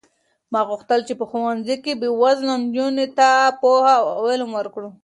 ما غوښتل چې په ښوونځي کې بې وزله نجونو ته پوهه او علم ورکړم.